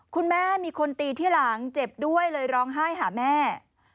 คุณแม่มีคนตีที่หลังเจ็บด้วยเลยร้องไห้หาแม่